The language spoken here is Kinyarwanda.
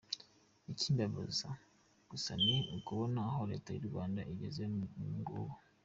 Ikimbaza gusa ni ukobona aho Leta y’ u Rwanda igeze ubu ngubu.